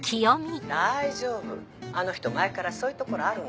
大丈夫あの人前からそういうところあるの。